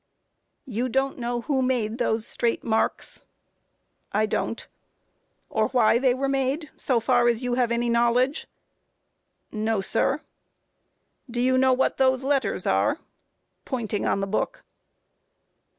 Q. You don't know who made those straight marks? A. I don't. Q. Or why they were made, so far as you have any knowledge? A. No, sir. Q. Do you know what those letters are? [Pointing on the book.